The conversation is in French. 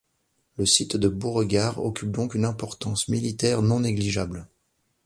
Le site de Beauregard occupe donc une importance militaire non négligeable.